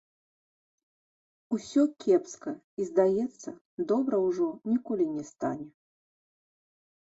Усё кепска і, здаецца, добра ўжо ніколі не стане.